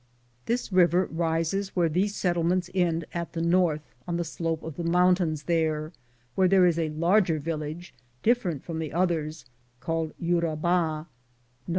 This river rises where these settlements end at the north, on the slope of the mountains there, where there is a larger village different from the others, called Yu raba.'